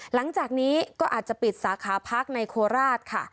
หลังจากนี้ก็อาจจะปิดสาขาพักในโคราชค่ะ